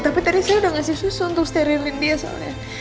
tapi tadi saya udah ngasih susu untuk sterilin dia soalnya